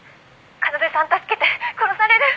「奏さん助けて殺される！」